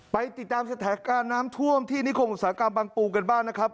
ไปติดตามสถานการณ์น้ำท่วมที่นิคมอุตสาหกรรมบางปูกันบ้างนะครับ